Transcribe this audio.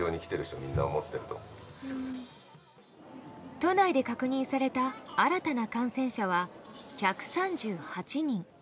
都内で確認された新たな感染者は１３８人。